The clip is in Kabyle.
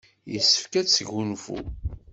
Yessefk ad tesgunfu.